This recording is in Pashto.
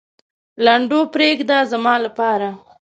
لنډو پرېږده زما لپاره.